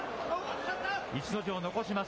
逸ノ城、残します。